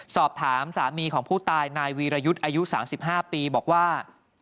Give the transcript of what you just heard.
สามีของผู้ตายนายวีรยุทธ์อายุ๓๕ปีบอกว่า